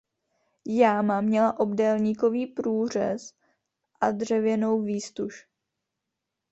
Jáma měla obdélníkový průřez a dřevěnou výztuž.